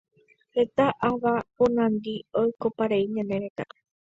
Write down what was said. Heta ava ponandi oikoparei ñane retãre.